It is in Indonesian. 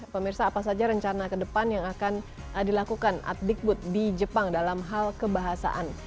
pemirsa apa saja rencana ke depan yang akan dilakukan adikbud di jepang dalam hal kebahasaan